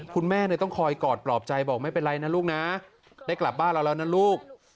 คุณแม่ต้องคอยกอดปลอบใจบอกไม่เป็นไรนะลูกนะได้กลับบ้านเราแล้วนะลูก